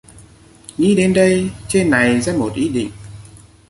Nghĩ đến đây trên này ra một ý định